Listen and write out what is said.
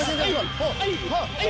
はい！